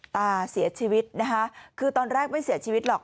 ตาเสียชีวิตนะคะคือตอนแรกไม่เสียชีวิตหรอก